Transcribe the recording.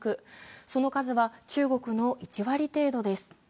その数は中国の１割程度です。